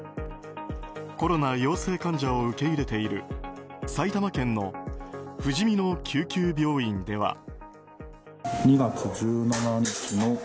コロナ陽性患者を受け入れている埼玉県のふじみの救急病院では。